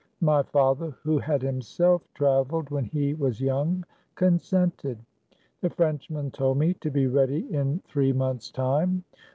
My father, who had himself traveled when he was young, consented. The Frenchman told me to be ready in three months' time.